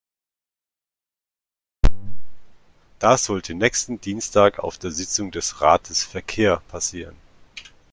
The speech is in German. Das sollte nächsten Dienstag auf der Sitzung des Rates "Verkehr" passieren.